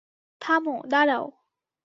থাম, দাড়াও।